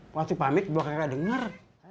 waktu pamit gua kakak denger